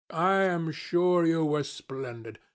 I am sure you were splendid.